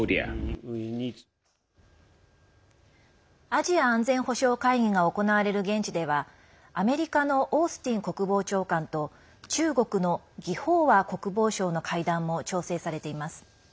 アジア安全保障会議が行われる現地ではアメリカのオースティン国防長官と中国の魏鳳和国防相の会談も調整されています。